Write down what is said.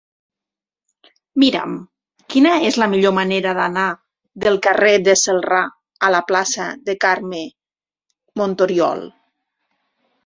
Mira'm quina és la millor manera d'anar del carrer de Celrà a la plaça de Carme Montoriol.